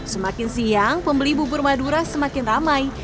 semakin siang pembeli bubur madura semakin ramai